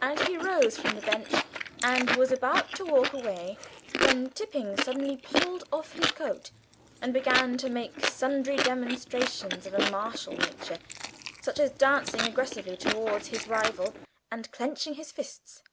and he rose from the bench and was about to walk away, when Tipping suddenly pulled off his coat and began to make sundry demonstrations of a martial nature, such as dancing aggressively towards his rival and clenching his fists.